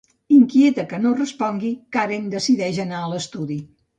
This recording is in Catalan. Inquieta que no respongui, Karen decideix anar a l'estudi.